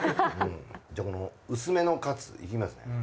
じゃあこの薄めのカツいきますね。